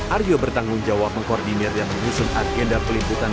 aryo bertanggung jawab mengkoordinir dan mengusung agenda peliputan